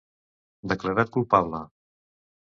Declarat culpable.